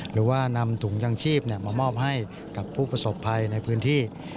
หรือว่านำถุงยางชีพมามอบให้กับผู้ประสบภัยในพื้นที่